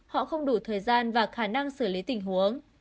họ không đủ thời gian và khả năng xử lý tình huống